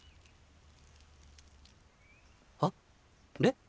あれ？